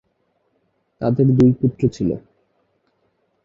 তাদের দুই পুত্র ছিল।